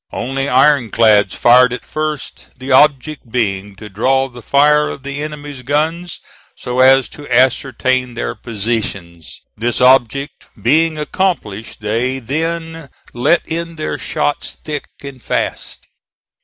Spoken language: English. Only iron clads fired at first; the object being to draw the fire of the enemy's guns so as to ascertain their positions. This object being accomplished, they then let in their shots thick and fast.